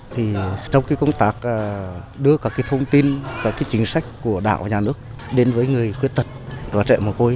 thì trong công tác đưa các thông tin các chính sách của đảo và nhà nước đến với người khuyết tật và trẻ mở côi